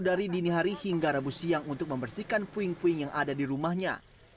dari dini hari hingga rabu siang untuk membersihkan puing puing yang ada di rumahnya